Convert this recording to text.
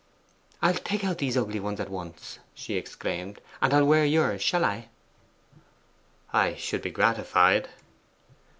'I'll take out these ugly ones at once,' she exclaimed, 'and I'll wear yours shall I?' 'I should be gratified.